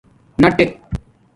نٹَنک